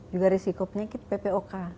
juga risiko penyakit ppok